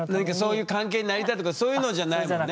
そういう関係になりたいとかそういうのじゃないもんね。